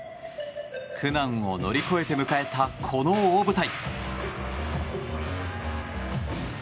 苦難を乗り越えて迎えたこの大舞台。